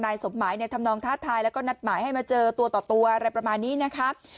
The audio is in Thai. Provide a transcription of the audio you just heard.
สมหมายเนี่ยทำนองท้าทายแล้วก็นัดหมายให้มาเจอตัวต่อตัวอะไรประมาณนี้นะคะ